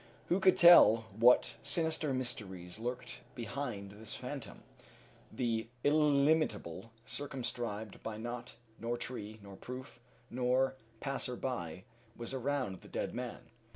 Who could tell what sinister mysteries lurked behind this phantom? The illimitable, circumscribed by naught, nor tree, nor roof, nor passer by, was around the dead man.